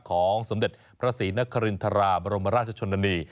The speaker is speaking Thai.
สมเด็จพระศรีนครินทราบรมราชชนนานี